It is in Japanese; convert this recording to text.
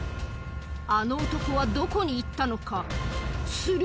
あの男はどこに行ったのか。